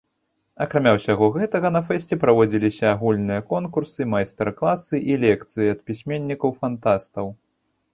Акрамя ўсяго гэтага на фэсце праводзіліся агульныя конкурсы, майстар-класы і лекцыі ад пісьменнікаў-фантастаў.